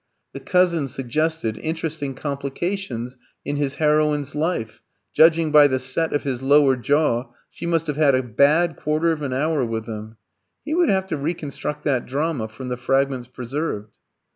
The cousin suggested interesting complications in his heroine's life: judging by the set of his lower jaw, she must have had a bad quarter of an hour with him. He would have to reconstruct that drama from the fragments preserved.